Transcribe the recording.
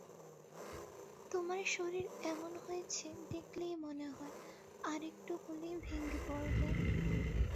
তোমার শরীর এমন হয়েছে দেখলেই মনে হয়, আর-একটু হলেই ভেঙে পড়বে।